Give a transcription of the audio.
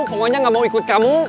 pokoknya gak mau ikut kamu